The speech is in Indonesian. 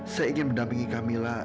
saya ingin mendampingi kamila